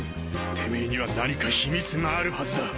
てめぇには何か秘密があるはずだ。